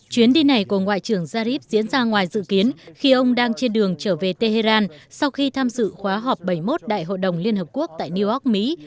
chuyến đi này của ngoại trưởng zarif diễn ra ngoài dự kiến khi ông đang trên đường trở về tehran sau khi tham dự khóa họp bảy mươi một đại hội đồng liên hợp quốc tại new york mỹ